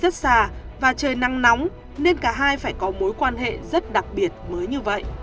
rất xa và trời nắng nóng nên cả hai phải có mối quan hệ rất đặc biệt mới như vậy